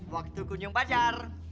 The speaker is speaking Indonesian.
waktu kunjung pacar